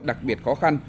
đặc biệt khó khăn